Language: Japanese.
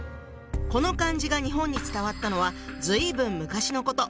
この漢字が日本に伝わったのは随分昔のこと。